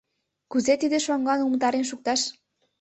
Кузе тиде шоҥгылан умылтарен шукташ?